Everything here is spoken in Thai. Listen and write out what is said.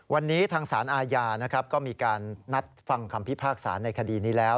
วันนี้ทางสารอาญานะครับก็มีการนัดฟังคำพิพากษาในคดีนี้แล้ว